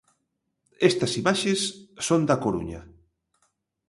Estas imaxes son da Coruña.